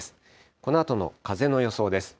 このあとの風の予想です。